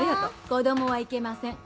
子供はいけません。